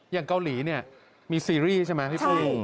อย่างเกาหลีเนี่ยมีซีรีส์ใช่ไหมพี่ปุ้ย